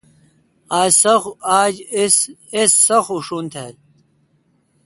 آج اس سخ اوشون تھال۔